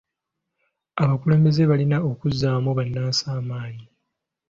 Abakulembeze balina okuzzamu bannansi amaanyi.